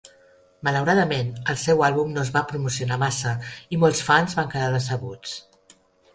Malauradament, el seu àlbum no es va promocionar massa i molts fans van quedar decebuts.